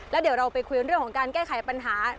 แล้วเดี๋ยวเราไปคุยเรื่องของการแก้ไขปัญหา